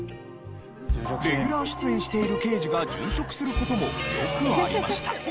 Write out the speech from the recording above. レギュラー出演している刑事が殉職する事もよくありました。